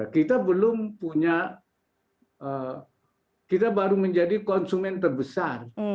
kita belum punya kita baru menjadi konsumen terbesar